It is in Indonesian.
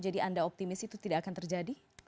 jadi anda optimis itu tidak akan terjadi